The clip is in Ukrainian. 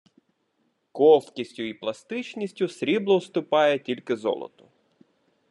Ковкістю й пластичністю срібло уступає тільки золоту